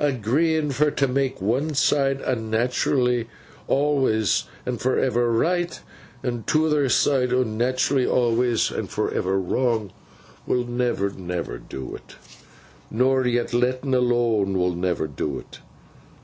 Agreeing fur to mak one side unnat'rally awlus and for ever right, and toother side unnat'rally awlus and for ever wrong, will never, never do 't. Nor yet lettin alone will never do 't.